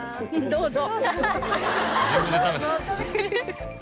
「どうぞ」。